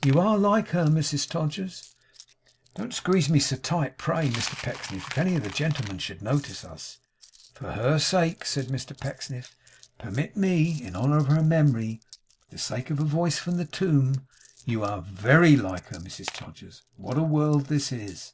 You are like her, Mrs Todgers.' 'Don't squeeze me so tight, pray, Mr Pecksniff. If any of the gentlemen should notice us.' 'For her sake,' said Mr Pecksniff. 'Permit me in honour of her memory. For the sake of a voice from the tomb. You are VERY like her Mrs Todgers! What a world this is!